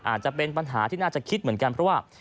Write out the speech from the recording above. อาจจะเป็นปัญหาที่น่าจะคิดเหมือนกันเพราะว่า